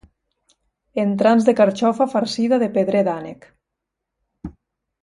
Entrants de carxofa farcida de pedrer d’ànec.